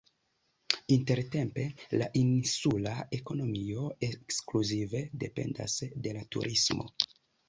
Intertempe la insula ekonomio ekskluzive dependas de la turismo.